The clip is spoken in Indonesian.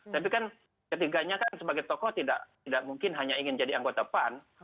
tapi kan ketiganya kan sebagai tokoh tidak mungkin hanya ingin jadi anggota pan